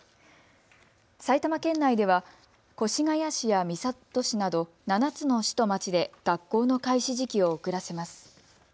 埼玉県内では越谷市や三郷市など７つの市と町で学校の開始時期を遅らせます。